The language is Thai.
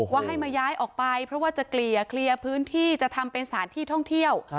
ให้มาย้ายออกไปเพราะว่าจะเกลี่ยเคลียร์พื้นที่จะทำเป็นสถานที่ท่องเที่ยว